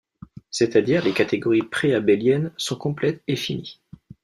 C'est-à-dire, les catégories préabéliennes sont complètes et finies.